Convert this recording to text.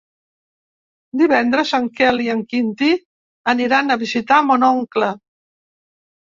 Divendres en Quel i en Quintí aniran a visitar mon oncle.